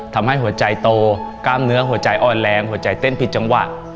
ทำให้หัวใจโตกล้ามเนื้อหัวใจอ่อนแรงหัวใจเต้นผิดจังหวะ